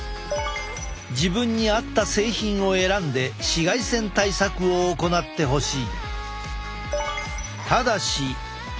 自分に合った製品を選んで紫外線対策を行ってほしい！